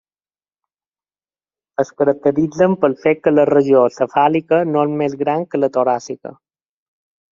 Es caracteritzen pel fet que la regió cefàlica no és més gran que la toràcica.